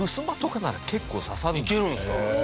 いけるんですか。